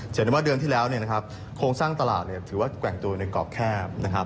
เจนว่าเดือนที่แล้วเนี่ยนะครับโครงสร้างตลาดถือว่าแกว่งตัวในกรอบแคบนะครับ